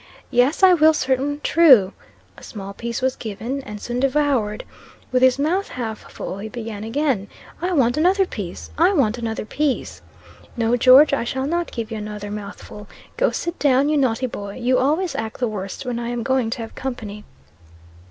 'Yes, I will certain true,' A small piece was given, and soon devoured. With his mouth half full, he began again, 'I want another piece I want another piece.' 'No, George; I shall not give you another mouthful. Go sit down, you naughty boy. You always act the worst when I am going to have company.'